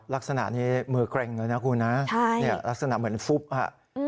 ลักษณะนี้มือเกร็งเลยนะคุณนะลักษณะเหมือนฟุบฮะ